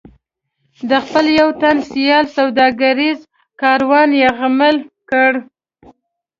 د خپل یو تن سیال سوداګریز کاروان یرغمل کړ.